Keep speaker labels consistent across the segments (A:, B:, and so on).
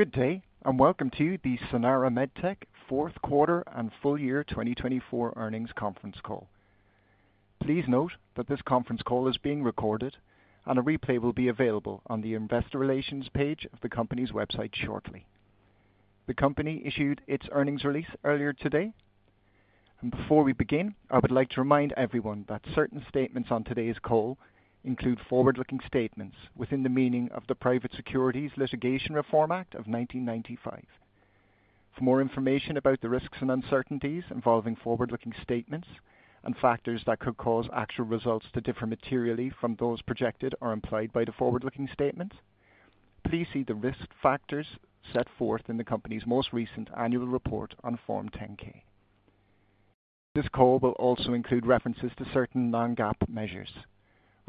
A: Good day, and welcome to the Sanara MedTech fourth quarter and full year 2024 earnings conference call. Please note that this conference call is being recorded, and a replay will be available on the Investor Relations page of the company's website shortly. The company issued its earnings release earlier today. Before we begin, I would like to remind everyone that certain statements on today's call include forward-looking statements within the meaning of the Private Securities Litigation Reform Act of 1995. For more information about the risks and uncertainties involving forward-looking statements and factors that could cause actual results to differ materially from those projected or implied by the forward-looking statements, please see the risk factors set forth in the company's most recent annual report on Form 10-K. This call will also include references to certain non-GAAP measures.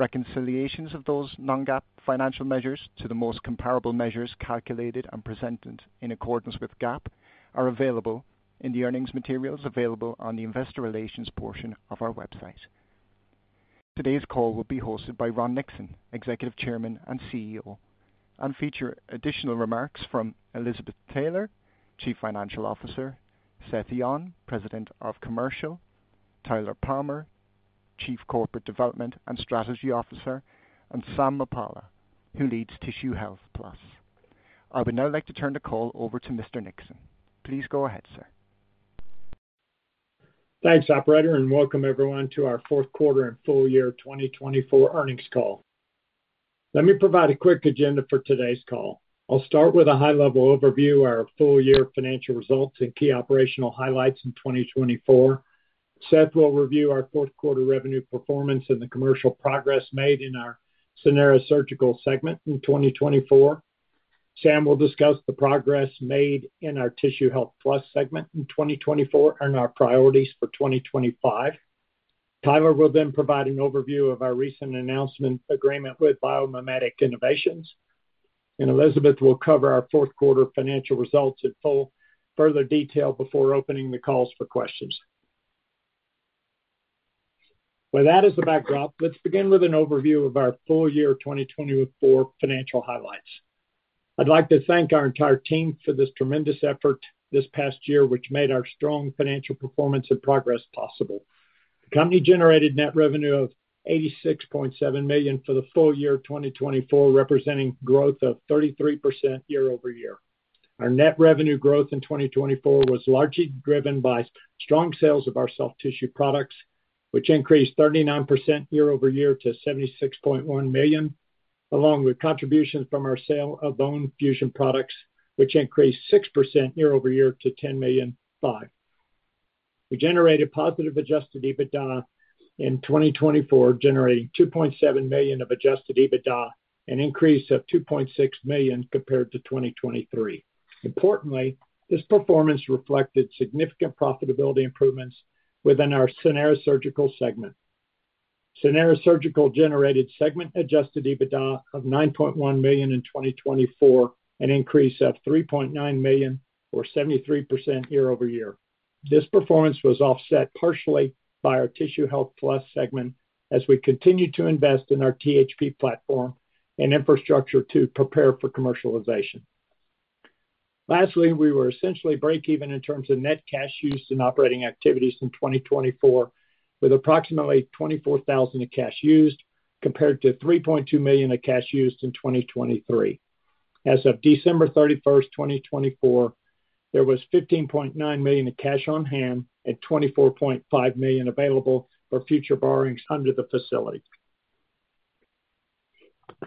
A: Reconciliations of those non-GAAP financial measures to the most comparable measures calculated and presented in accordance with GAAP are available in the earnings materials available on the Investor Relations portion of our website. Today's call will be hosted by Ron Nixon, Executive Chairman and CEO, and feature additional remarks from Elizabeth Taylor, Chief Financial Officer, Seth Yon, President of Commercial, Tyler Palmer, Chief Corporate Development and Strategy Officer, and Sam Muppalla, who leads Tissue Health Plus. I would now like to turn the call over to Mr. Nixon. Please go ahead, sir.
B: Thanks, Operator, and welcome everyone to our fourth quarter and full year 2024 earnings call. Let me provide a quick agenda for today's call. I'll start with a high-level overview of our full-year financial results and key operational highlights in 2024. Seth will review our fourth quarter revenue performance and the commercial progress made in our Sanara Surgical segment in 2024. Sam will discuss the progress made in our Tissue Health Plus segment in 2024 and our priorities for 2025. Tyler will then provide an overview of our recent announcement agreement with Biomimetic Innovations. Elizabeth will cover our fourth quarter financial results in full further detail before opening the calls for questions. With that as a backdrop, let's begin with an overview of our full-year 2024 financial highlights. I'd like to thank our entire team for this tremendous effort this past year, which made our strong financial performance and progress possible. The company generated net revenue of $86.7 million for the full year 2024, representing growth of 33% year-over-year. Our net revenue growth in 2024 was largely driven by strong sales of our soft tissue products, which increased 39% year-over-year to $76.1 million, along with contributions from our sale of bone fusion products, which increased 6% year-over-year to $10.5 million. We generated positive Adjusted EBITDA in 2024, generating $2.7 million of Adjusted EBITDA and an increase of $2.6 million compared to 2023. Importantly, this performance reflected significant profitability improvements within our Sanara Surgical segment. Sanara Surgical generated segment-Adjusted EBITDA of $9.1 million in 2024, an increase of $3.9 million, or 73% year-over-year. This performance was offset partially by our Tissue Health Plus segment as we continue to invest in our THP platform and infrastructure to prepare for commercialization. Lastly, we were essentially break-even in terms of net cash used in operating activities in 2024, with approximately $24,000 of cash used compared to $3.2 million of cash used in 2023. As of December 31st, 2024, there was $15.9 million of cash on hand and $24.5 million available for future borrowings under the facility.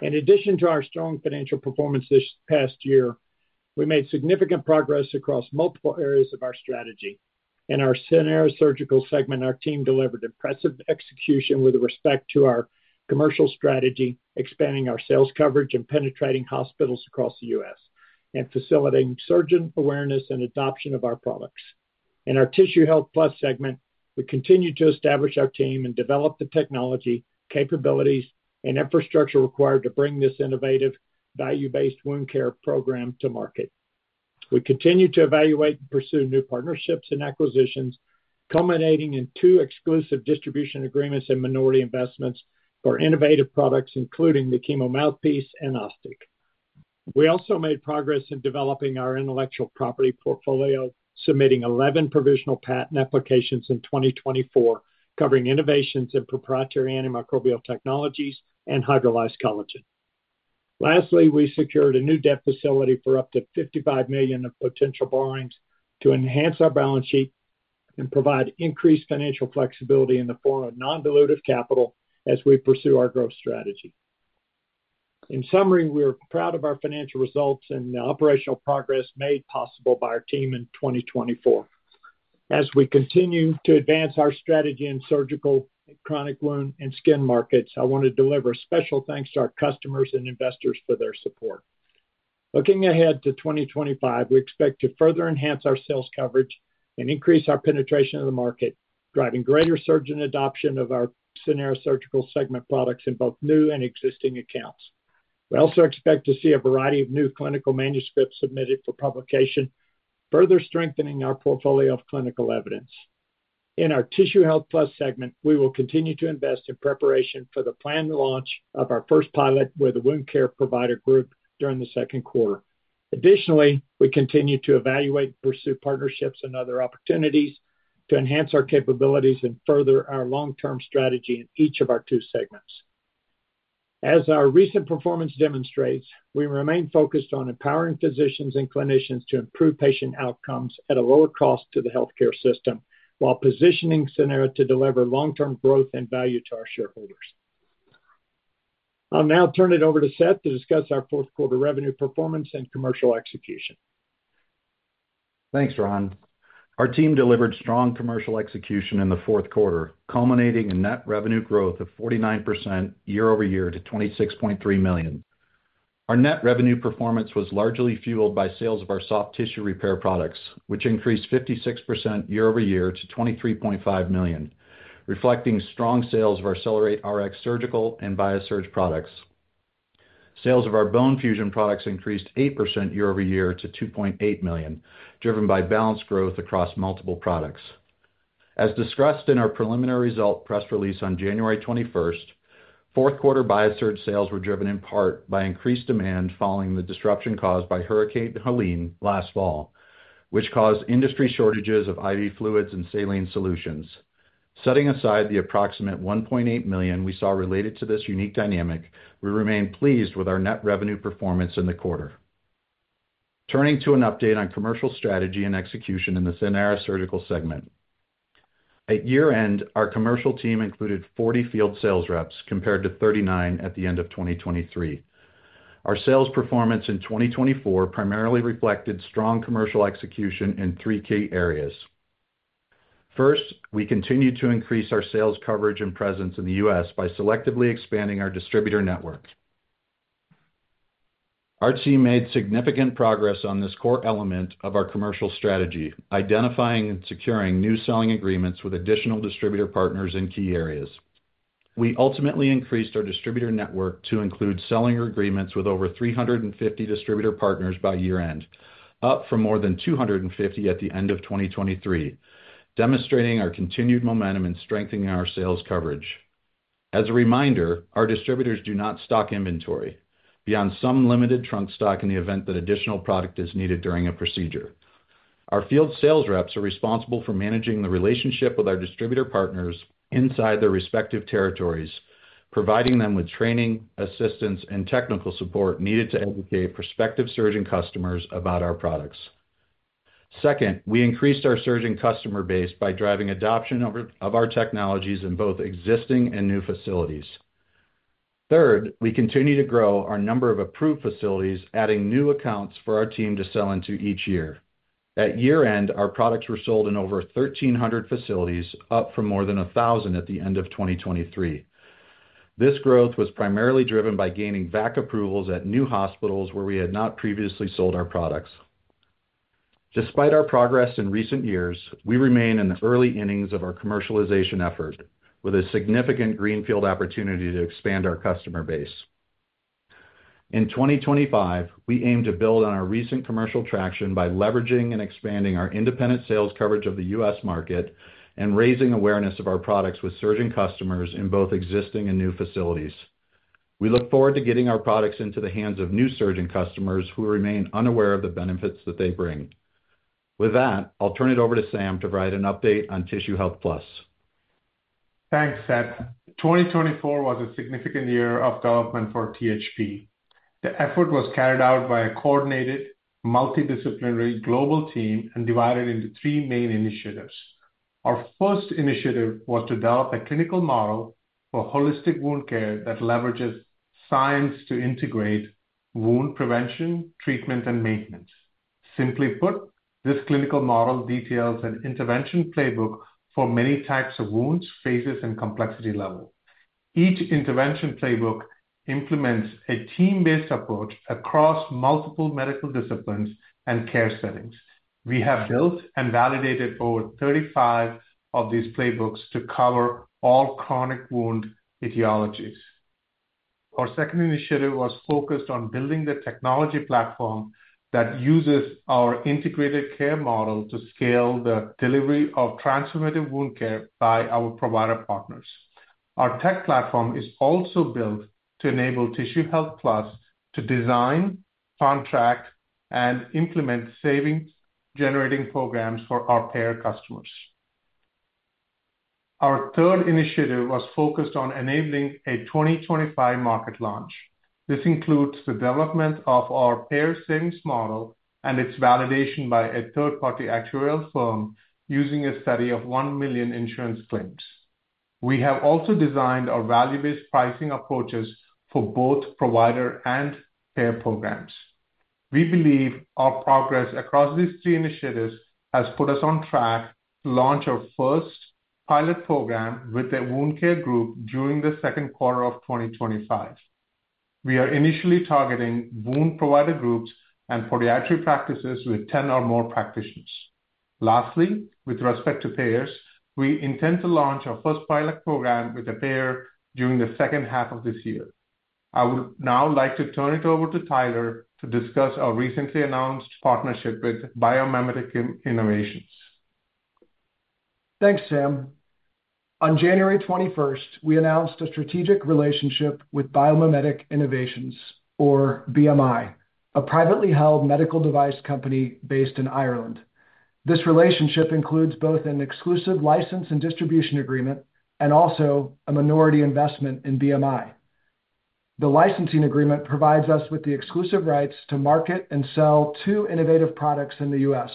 B: In addition to our strong financial performance this past year, we made significant progress across multiple areas of our strategy. In our Sanara Surgical segment, our team delivered impressive execution with respect to our commercial strategy, expanding our sales coverage and penetrating hospitals across the U.S. and facilitating surgeon awareness and adoption of our products. In our Tissue Health Plus segment, we continue to establish our team and develop the technology, capabilities, and infrastructure required to bring this innovative, value-based wound care program to market. We continue to evaluate and pursue new partnerships and acquisitions, culminating in two exclusive distribution agreements and minority investments for innovative products, including the Chemo Mouthpiece and OsStic. We also made progress in developing our intellectual property portfolio, submitting 11 provisional patent applications in 2024, covering innovations in proprietary antimicrobial technologies and hydrolyzed collagen. Lastly, we secured a new debt facility for up to $55 million of potential borrowings to enhance our balance sheet and provide increased financial flexibility in the form of non-dilutive capital as we pursue our growth strategy. In summary, we are proud of our financial results and the operational progress made possible by our team in 2024. As we continue to advance our strategy in surgical, chronic wound, and skin markets, I want to deliver a special thanks to our customers and investors for their support. Looking ahead to 2025, we expect to further enhance our sales coverage and increase our penetration of the market, driving greater surgeon adoption of our Sanara Surgical segment products in both new and existing accounts. We also expect to see a variety of new clinical manuscripts submitted for publication, further strengthening our portfolio of clinical evidence. In our Tissue Health Plus segment, we will continue to invest in preparation for the planned launch of our first pilot with a wound care provider group during the second quarter. Additionally, we continue to evaluate and pursue partnerships and other opportunities to enhance our capabilities and further our long-term strategy in each of our two segments. As our recent performance demonstrates, we remain focused on empowering physicians and clinicians to improve patient outcomes at a lower cost to the healthcare system, while positioning Sanara to deliver long-term growth and value to our shareholders. I'll now turn it over to Seth to discuss our fourth quarter revenue performance and commercial execution.
C: Thanks, Ron. Our team delivered strong commercial execution in the fourth quarter, culminating in net revenue growth of 49% year-over-year to $26.3 million. Our net revenue performance was largely fueled by sales of our soft tissue repair products, which increased 56% year-over-year to $23.5 million, reflecting strong sales of our CellerateRX Surgical and BIASURGE products. Sales of our bone fusion products increased 8% year-over-year to $2.8 million, driven by balanced growth across multiple products. As discussed in our preliminary result press release on January 21st, fourth quarter BIASURGE sales were driven in part by increased demand following the disruption caused by Hurricane Helene last fall, which caused industry shortages of IV fluids and saline solutions. Setting aside the approximate $1.8 million we saw related to this unique dynamic, we remain pleased with our net revenue performance in the quarter. Turning to an update on commercial strategy and execution in the Sanara Surgical segment. At year-end, our commercial team included 40 field sales reps compared to 39 at the end of 2023. Our sales performance in 2024 primarily reflected strong commercial execution in three key areas. First, we continued to increase our sales coverage and presence in the U.S. by selectively expanding our distributor network. Our team made significant progress on this core element of our commercial strategy, identifying and securing new selling agreements with additional distributor partners in key areas. We ultimately increased our distributor network to include selling agreements with over 350 distributor partners by year-end, up from more than 250 at the end of 2023, demonstrating our continued momentum and strengthening our sales coverage. As a reminder, our distributors do not stock inventory beyond some limited trunk stock in the event that additional product is needed during a procedure. Our field sales reps are responsible for managing the relationship with our distributor partners inside their respective territories, providing them with training, assistance, and technical support needed to educate prospective surgeon customers about our products. Second, we increased our surgeon customer base by driving adoption of our technologies in both existing and new facilities. Third, we continue to grow our number of approved facilities, adding new accounts for our team to sell into each year. At year-end, our products were sold in over 1,300 facilities, up from more than 1,000 at the end of 2023. This growth was primarily driven by gaining VAC approvals at new hospitals where we had not previously sold our products. Despite our progress in recent years, we remain in the early innings of our commercialization effort, with a significant greenfield opportunity to expand our customer base. In 2025, we aim to build on our recent commercial traction by leveraging and expanding our independent sales coverage of the U.S. market and raising awareness of our products with surgeon customers in both existing and new facilities. We look forward to getting our products into the hands of new surgeon customers who remain unaware of the benefits that they bring. With that, I'll turn it over to Sam to provide an update on Tissue Health Plus.
D: Thanks, Seth. 2024 was a significant year of development for THP. The effort was carried out by a coordinated, multidisciplinary global team and divided into three main initiatives. Our first initiative was to develop a clinical model for holistic wound care that leverages science to integrate wound prevention, treatment, and maintenance. Simply put, this clinical model details an intervention playbook for many types of wounds, phases, and complexity levels. Each intervention playbook implements a team-based approach across multiple medical disciplines and care settings. We have built and validated over 35 of these playbooks to cover all chronic wound etiologies. Our second initiative was focused on building the technology platform that uses our integrated care model to scale the delivery of transformative wound care by our provider partners. Our tech platform is also built to enable Tissue Health Plus to design, contract, and implement savings-generating programs for our payer customers. Our third initiative was focused on enabling a 2025 market launch. This includes the development of our payer savings model and its validation by a third-party actuarial firm using a study of 1 million insurance claims. We have also designed our value-based pricing approaches for both provider and payer programs. We believe our progress across these three initiatives has put us on track to launch our first pilot program with a wound care group during the second quarter of 2025. We are initially targeting wound provider groups and podiatry practices with 10 or more practitioners. Lastly, with respect to payers, we intend to launch our first pilot program with a payer during the second half of this year. I would now like to turn it over to Tyler to discuss our recently announced partnership with Biomimetic Innovations.
E: Thanks, Sam. On January 21st, we announced a strategic relationship with Biomimetic Innovations, or BMI, a privately held medical device company based in Ireland. This relationship includes both an exclusive license and distribution agreement and also a minority investment in BMI. The licensing agreement provides us with the exclusive rights to market and sell two innovative products in the U.S.,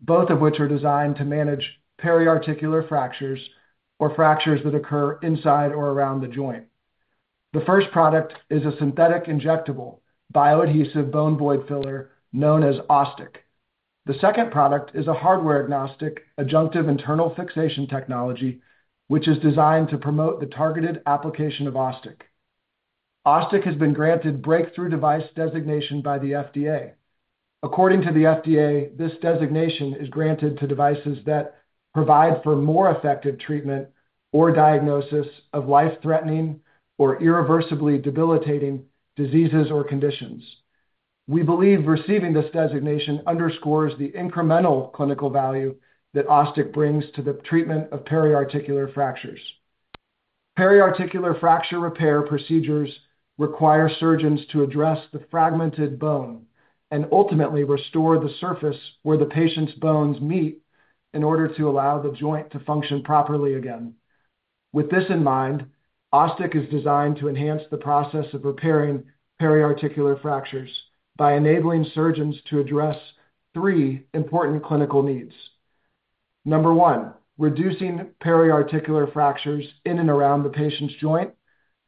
E: both of which are designed to manage periarticular fractures or fractures that occur inside or around the joint. The first product is a synthetic injectable bioadhesive bone void filler known as OsStic. The second product is a hardware-agnostic adjunctive internal fixation technology, which is designed to promote the targeted application of OsStic. OsStic has been granted breakthrough device designation by the FDA. According to the FDA, this designation is granted to devices that provide for more effective treatment or diagnosis of life-threatening or irreversibly debilitating diseases or conditions. We believe receiving this designation underscores the incremental clinical value that OsStic brings to the treatment of periarticular fractures. Periarticular fracture repair procedures require surgeons to address the fragmented bone and ultimately restore the surface where the patient's bones meet in order to allow the joint to function properly again. With this in mind, OsStic is designed to enhance the process of repairing periarticular fractures by enabling surgeons to address three important clinical needs. Number one, reducing periarticular fractures in and around the patient's joint.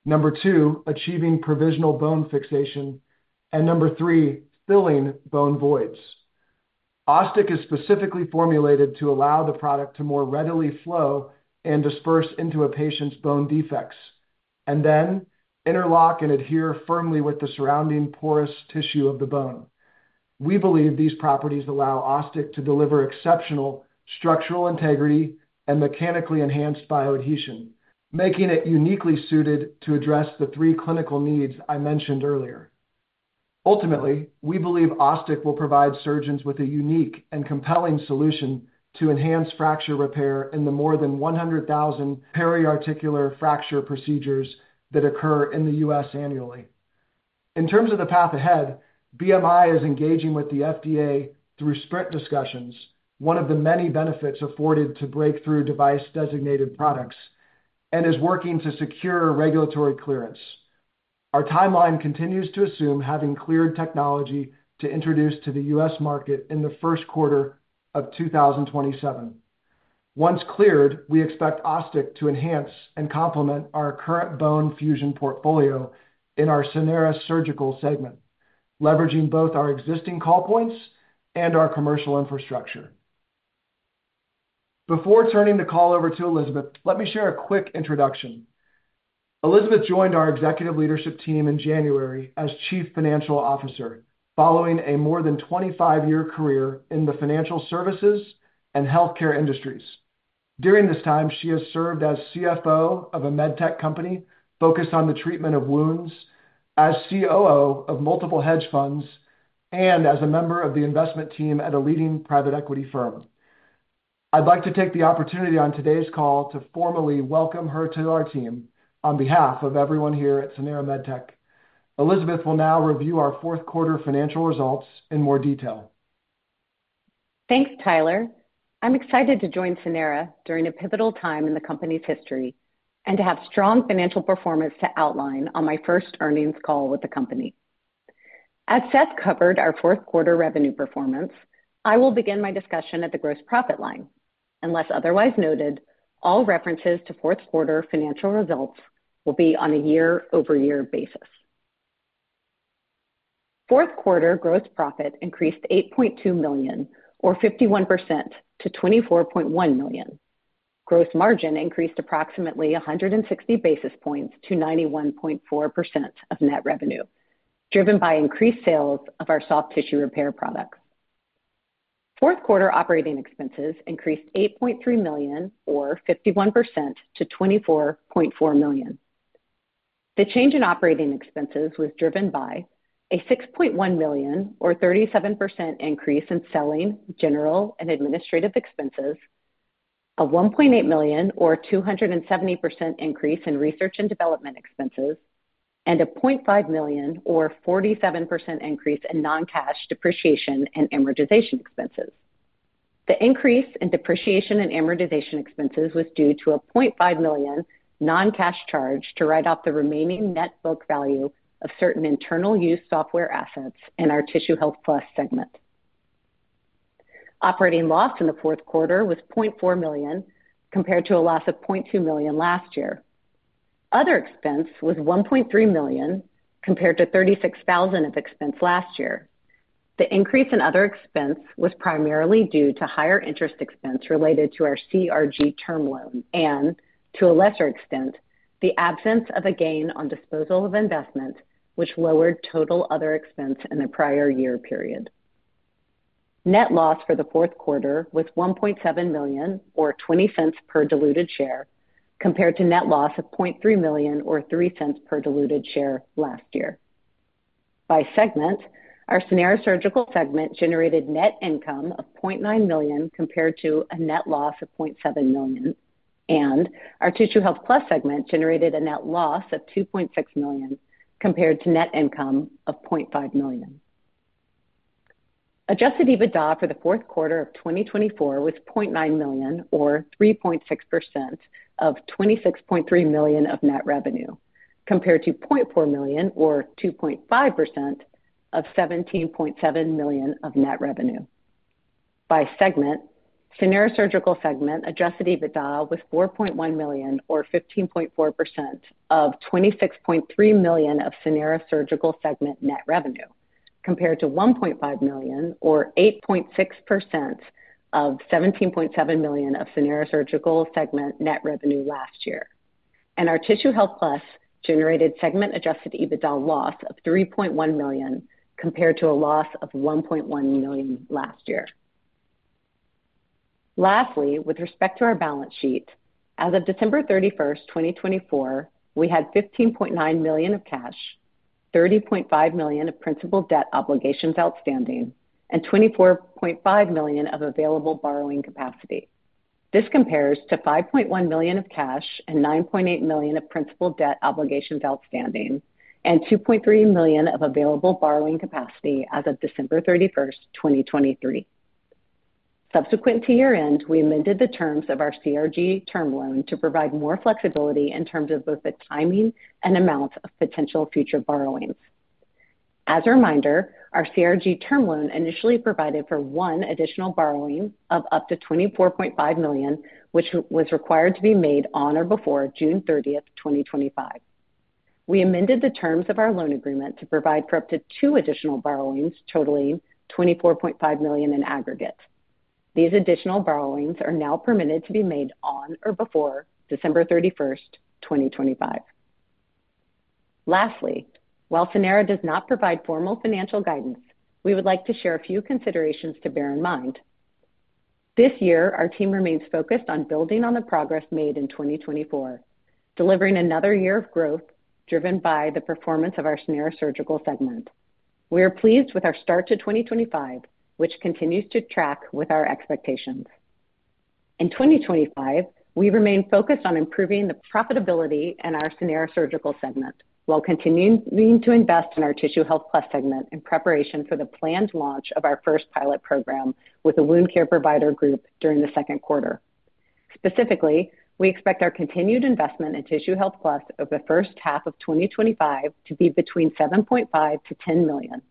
E: Number two, achieving provisional bone fixation. Number three, filling bone voids. OsStic is specifically formulated to allow the product to more readily flow and disperse into a patient's bone defects and then interlock and adhere firmly with the surrounding porous tissue of the bone. We believe these properties allow OsStic to deliver exceptional structural integrity and mechanically enhanced bioadhesion, making it uniquely suited to address the three clinical needs I mentioned earlier. Ultimately, we believe OsStic will provide surgeons with a unique and compelling solution to enhance fracture repair in the more than 100,000 periarticular fracture procedures that occur in the U.S. annually. In terms of the path ahead, BMI is engaging with the FDA through sprint discussions, one of the many benefits afforded to breakthrough device designated products, and is working to secure regulatory clearance. Our timeline continues to assume having cleared technology to introduce to the U.S. market in the first quarter of 2027. Once cleared, we expect OsStic to enhance and complement our current bone fusion portfolio in our Sanara Surgical segment, leveraging both our existing call points and our commercial infrastructure. Before turning the call over to Elizabeth, let me share a quick introduction. Elizabeth joined our executive leadership team in January as Chief Financial Officer, following a more than 25-year career in the financial services and healthcare industries. During this time, she has served as CFO of a MedTech company focused on the treatment of wounds, as COO of multiple hedge funds, and as a member of the investment team at a leading private equity firm. I'd like to take the opportunity on today's call to formally welcome her to our team on behalf of everyone here at Sanara MedTech. Elizabeth will now review our fourth quarter financial results in more detail.
F: Thanks, Tyler. I'm excited to join Sanara during a pivotal time in the company's history and to have strong financial performance to outline on my first earnings call with the company. As Seth covered our fourth quarter revenue performance, I will begin my discussion at the gross profit line. Unless otherwise noted, all references to fourth quarter financial results will be on a year-over-year basis. Fourth quarter gross profit increased $8.2 million, or 51%, to $24.1 million. Gross margin increased approximately 160 basis points to 91.4% of net revenue, driven by increased sales of our soft tissue repair products. Fourth quarter operating expenses increased $8.3 million, or 51%, to $24.4 million. The change in operating expenses was driven by a $6.1 million, or 37%, increase in selling, general and administrative expenses, a $1.8 million, or 270%, increase in research and development expenses, and a $0.5 million, or 47%, increase in non-cash depreciation and amortization expenses. The increase in depreciation and amortization expenses was due to a $0.5 million non-cash charge to write off the remaining net book value of certain internal-use software assets in our Tissue Health Plus segment. Operating loss in the fourth quarter was $0.4 million compared to a loss of $0.2 million last year. Other expense was $1.3 million compared to $36,000 of expense last year. The increase in other expense was primarily due to higher interest expense related to our CRG term loan and, to a lesser extent, the absence of a gain on disposal of investment, which lowered total other expense in the prior year period. Net loss for the fourth quarter was $1.7 million, or $0.20 per diluted share, compared to net loss of $0.3 million, or $0.03 per diluted share last year. By segment, our Sanara Surgical segment generated net income of $0.9 million compared to a net loss of $0.7 million, and our Tissue Health Plus segment generated a net loss of $2.6 million compared to net income of $0.5 million. Adjusted EBITDA for the fourth quarter of 2024 was $0.9 million, or 3.6%, of $26.3 million of net revenue, compared to $0.4 million, or 2.5%, of $17.7 million of net revenue. By segment, Sanara Surgical segment Adjusted EBITDA was $4.1 million, or 15.4%, of $26.3 million of Sanara Surgical segment net revenue, compared to $1.5 million, or 8.6%, of $17.7 million of Sanara Surgical segment net revenue last year. Our Tissue Health Plus generated segment-Adjusted EBITDA loss of $3.1 million compared to a loss of $1.1 million last year. Lastly, with respect to our balance sheet, as of December 31st, 2024, we had $15.9 million of cash, $30.5 million of principal debt obligations outstanding, and $24.5 million of available borrowing capacity. This compares to $5.1 million of cash and $9.8 million of principal debt obligations outstanding and $2.3 million of available borrowing capacity as of December 31st, 2023. Subsequent to year-end, we amended the terms of our CRG term loan to provide more flexibility in terms of both the timing and amounts of potential future borrowings. As a reminder, our CRG term loan initially provided for one additional borrowing of up to $24.5 million, which was required to be made on or before June 30th, 2025. We amended the terms of our loan agreement to provide for up to two additional borrowings, totaling $24.5 million in aggregate. These additional borrowings are now permitted to be made on or before December 31st, 2025. Lastly, while Sanara does not provide formal financial guidance, we would like to share a few considerations to bear in mind. This year, our team remains focused on building on the progress made in 2024, delivering another year of growth driven by the performance of our Sanara Surgical segment. We are pleased with our start to 2025, which continues to track with our expectations. In 2025, we remain focused on improving the profitability in our Sanara Surgical segment while continuing to invest in our Tissue Health Plus segment in preparation for the planned launch of our first pilot program with a wound care provider group during the second quarter. Specifically, we expect our continued investment in Tissue Health Plus over the first half of 2025 to be between $7.5 million-$10 million.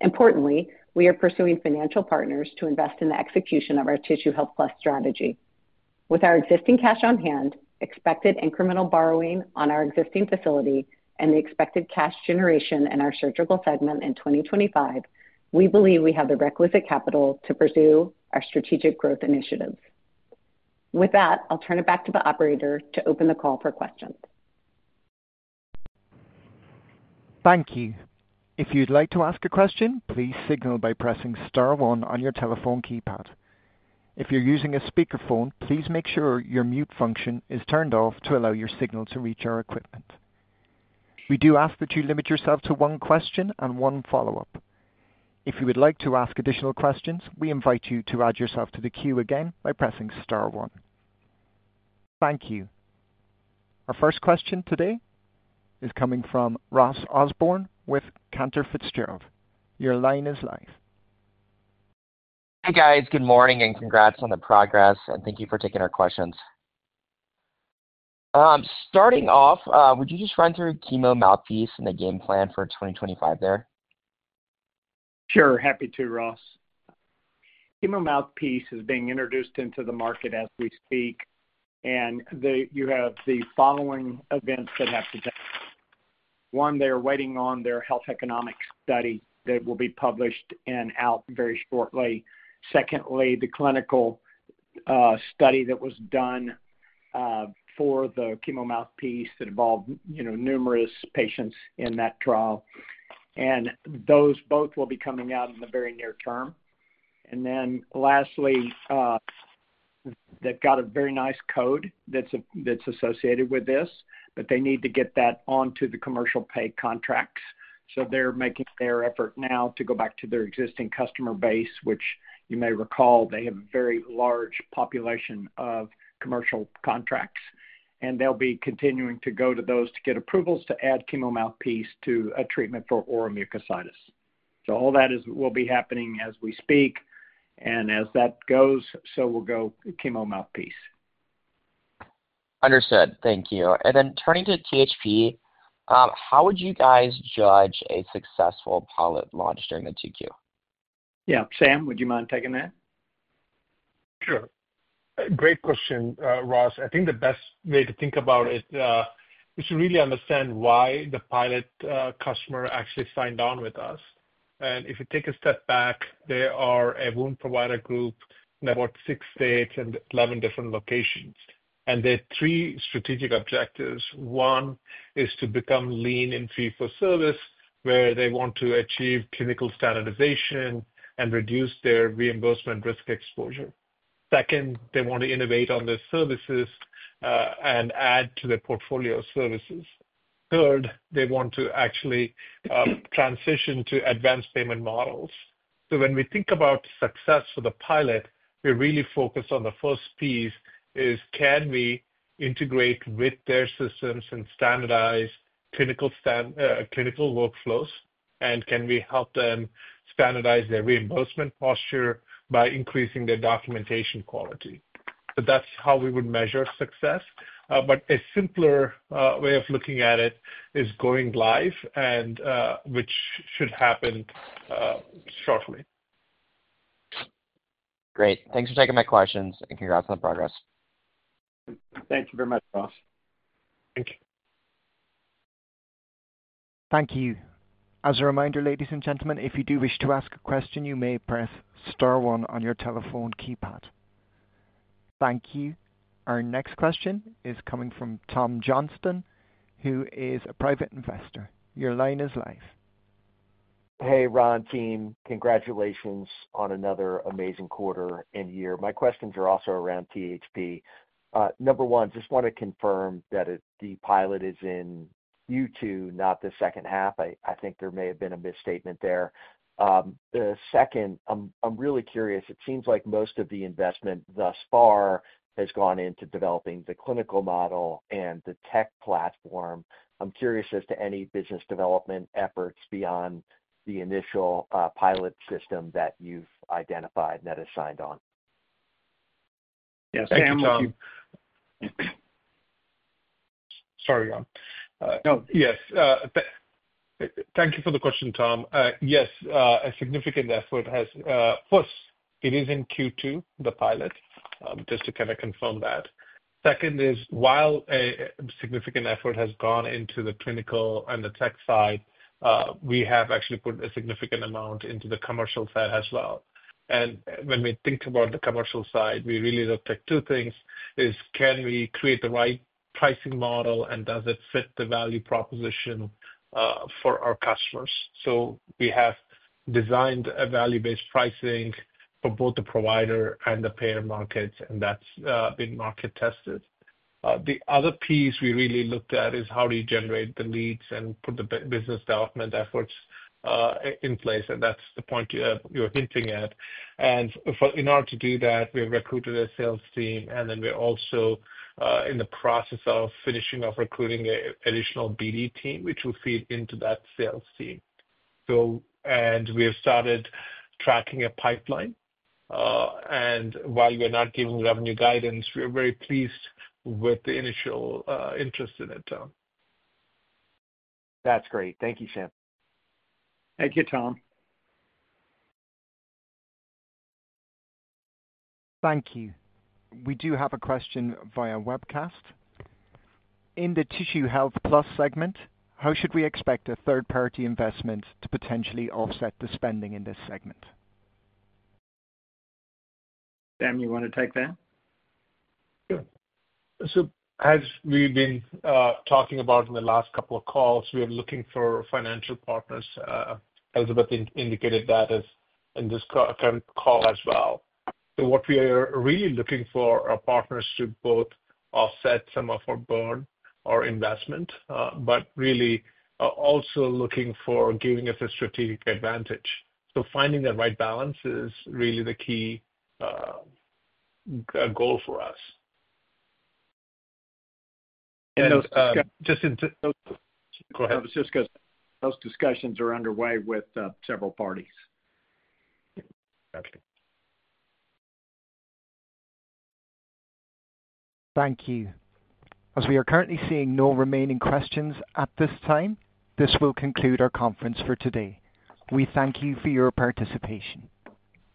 F: Importantly, we are pursuing financial partners to invest in the execution of our Tissue Health Plus strategy. With our existing cash on hand, expected incremental borrowing on our existing facility, and the expected cash generation in our surgical segment in 2025, we believe we have the requisite capital to pursue our strategic growth initiatives. With that, I'll turn it back to the operator to open the call for questions.
A: Thank you. If you'd like to ask a question, please signal by pressing star one on your telephone keypad. If you're using a speakerphone, please make sure your mute function is turned off to allow your signal to reach our equipment. We do ask that you limit yourself to one question and one follow-up. If you would like to ask additional questions, we invite you to add yourself to the queue again by pressing star one. Thank you. Our first question today is coming from Ross Osborn with Cantor Fitzgerald. Your line is live.
G: Hey, guys. Good morning and congrats on the progress, and thank you for taking our questions. Starting off, would you just run through Chemo Mouthpiece and the game plan for 2025 there?
B: Sure. Happy to, Ross. Chemo Mouthpiece is being introduced into the market as we speak, and you have the following events that have to take place. One, they are waiting on their health economic study that will be published and out very shortly. Secondly, the clinical study that was done for the Chemo Mouthpiece that involved numerous patients in that trial. Those both will be coming out in the very near term. Lastly, they've got a very nice code that's associated with this, but they need to get that onto the commercial pay contracts. They are making their effort now to go back to their existing customer base, which you may recall they have a very large population of commercial contracts, and they'll be continuing to go to those to get approvals to add Chemo Mouthpiece to a treatment for oral mucositis. All that will be happening as we speak, and as that goes, so will go Chemo Mouthpiece.
G: Understood. Thank you. Turning to THP, how would you guys judge a successful pilot launch during the 2Q?
B: Yeah. Sam, would you mind taking that? Sure. Great question, Ross. I think the best way to think about it is to really understand why the pilot customer actually signed on with us. If you take a step back, they are a wound provider group networked across six states and 11 different locations. They have three strategic objectives. One is to become lean and fee-for-service, where they want to achieve clinical standardization and reduce their reimbursement risk exposure. Second, they want to innovate on their services and add to their portfolio of services. Third, they want to actually transition to advanced payment models. When we think about success for the pilot, we're really focused on the first piece: can we integrate with their systems and standardize clinical workflows, and can we help them standardize their reimbursement posture by increasing their documentation quality? That's how we would measure success. A simpler way of looking at it is going live, which should happen shortly.
G: Great. Thanks for taking my questions, and congrats on the progress.
B: Thank you very much, Ross.
D: Thank you.
A: Thank you. As a reminder, ladies and gentlemen, if you do wish to ask a question, you may press star one on your telephone keypad. Thank you. Our next question is coming from [Tom Johnston], who is a private investor. Your line is live. Hey, Ron team. Congratulations on another amazing quarter and year. My questions are also around THP. Number one, just want to confirm that the pilot is in Q2, not the second half. I think there may have been a misstatement there. The second, I'm really curious. It seems like most of the investment thus far has gone into developing the clinical model and the tech platform. I'm curious as to any business development efforts beyond the initial pilot system that you've identified and that has signed on.
D: Yes.
A: Thank you.
D: Sorry, Ron. No, yes. Thank you for the question, Tom. Yes, a significant effort has first, it is in Q2, the pilot, just to kind of confirm that. Second is, while a significant effort has gone into the clinical and the tech side, we have actually put a significant amount into the commercial side as well. When we think about the commercial side, we really looked at two things: can we create the right pricing model, and does it fit the value proposition for our customers? We have designed a value-based pricing for both the provider and the payer markets, and that's been market tested. The other piece we really looked at is how do you generate the leads and put the business development efforts in place, and that's the point you're hinting at. In order to do that, we have recruited a sales team, and then we're also in the process of finishing off recruiting an additional BD team, which will feed into that sales team. We have started tracking a pipeline, and while we're not giving revenue guidance, we are very pleased with the initial interest in it.
B: That's great. Thank you, Sam.
D: Thank you, Tom.
A: Thank you. We do have a question via webcast. In the Tissue Health Plus segment, how should we expect a third-party investment to potentially offset the spending in this segment?
B: Sam, you want to take that?
D: Sure. As we've been talking about in the last couple of calls, we are looking for financial partners. Elizabeth indicated that in this current call as well. What we are really looking for are partners to both offset some of our burn or investment, but really also looking for giving us a strategic advantage. Finding the right balance is really the key goal for us.
B: And those.
D: Just in.
B: Go ahead.
D: Those discussions are underway with several parties.
B: Thank you.
A: Thank you. As we are currently seeing no remaining questions at this time, this will conclude our conference for today. We thank you for your participation.